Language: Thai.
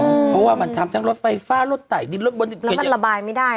เพราะว่ามันทำทั้งรถไฟฟ้ารถไต่ดินรถบนดินแล้วมันระบายไม่ได้